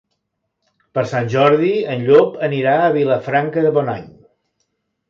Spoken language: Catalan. Per Sant Jordi en Llop anirà a Vilafranca de Bonany.